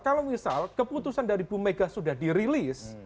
kalau misal keputusan dari bu mega sudah dirilis